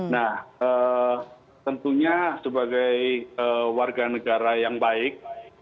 nah tentunya sebagai warga negara yang baik